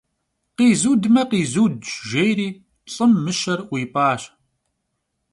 - Къизудмэ, къизудщ, - жери лӀым мыщэр ӀуипӀащ.